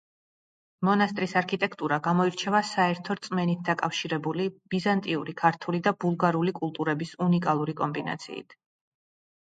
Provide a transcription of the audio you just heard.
მონასტრის არქიტექტურა გამოირჩევა საერთო რწმენით დაკავშირებული ბიზანტიური, ქართული და ბულგარული კულტურების უნიკალური კომბინაციით.